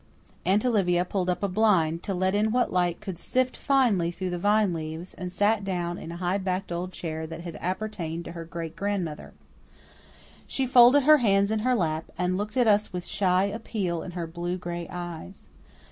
Aunt Olivia pulled up a blind, to let in what light could sift finely through the vine leaves, and sat down in a high backed old chair that had appertained to her great grandmother. She folded her hands in her lap, and looked at us with shy appeal in her blue gray eyes.